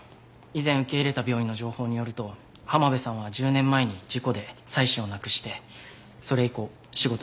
以前受け入れた病院の情報によると濱辺さんは１０年前に事故で妻子を亡くしてそれ以降仕事も辞めてしまったそうで。